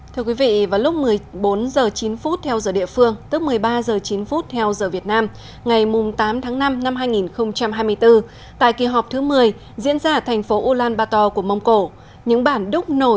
thưa quý vị vào lúc một mươi bốn h chín theo giờ địa phương tức một mươi ba h chín theo giờ việt nam ngày tám tháng năm năm hai nghìn hai mươi bốn tại kỳ họp thứ một mươi diễn ra ở thành phố ulaanbaator của mông cổ